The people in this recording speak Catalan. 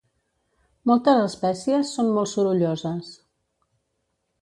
Moltes espècies són molt sorolloses.